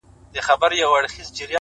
اوس مي د زړه پر تكه سپينه پاڼه!